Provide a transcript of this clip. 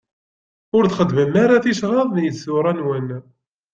Ur txeddmem ara ticraḍ di ṣṣura-nwen.